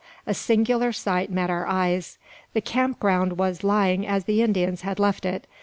A singular sight met our eyes. The camp ground was lying as the Indians had left it.